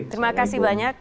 terima kasih banyak